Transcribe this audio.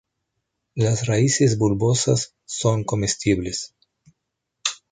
Las raíces bulbosas son comestibles.